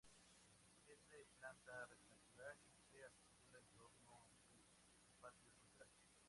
Es de planta rectangular y se articula en torno a un patio central.